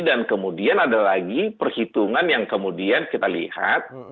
dan kemudian ada lagi perhitungan yang kemudian kita lihat